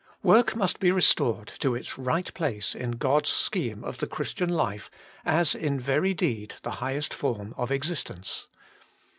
Work must be restored to its right place in God's scheme of the Christian life as in very deed the highest form of existence.